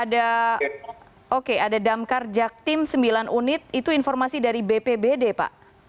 ada oke ada damkar jaktim sembilan unit itu informasi dari bpbd pak